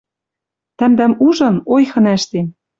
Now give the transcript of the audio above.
Тӓмдӓм ужын, ойхын ӓштем...